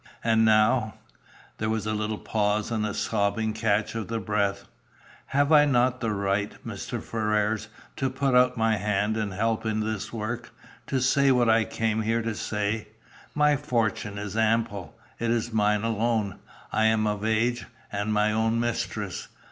And now " There was a little pause and a sobbing catch of the breath "Have I not the right, Mr. Ferrars, to put out my hand and help in this work? To say what I came here to say? My fortune is ample. It is mine alone. I am of age, and my own mistress.